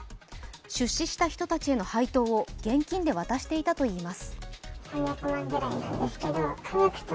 出資した人たちへの配当を現金で渡していたといいます。